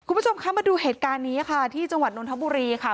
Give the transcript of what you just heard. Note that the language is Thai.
คุณผู้ชมคะมาดูเหตุการณ์นี้ค่ะที่จังหวัดนทบุรีค่ะ